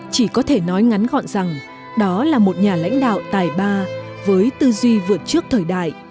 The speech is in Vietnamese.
chỉ có thể nói ngắn gọn rằng đó là một nhà lãnh đạo tài ba với tư duy vượt trước thời đại